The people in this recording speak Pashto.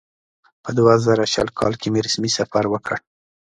په دوه زره شل کال کې مې رسمي سفر وکړ.